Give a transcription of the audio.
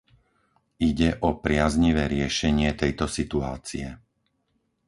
Ide o priaznivé riešenie tejto situácie.